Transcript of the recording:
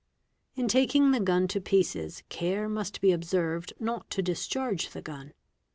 In taking the gun to pieces care must be observed not to discharge the gun.